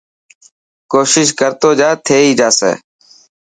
ڪوشش ڪرتو جا ٿي هي باسي.